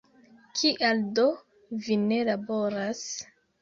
Kial do vi ne laboras?